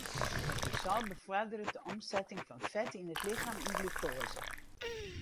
Kortisol befoarderet de omsetting fan fet yn it lichem yn glukoaze.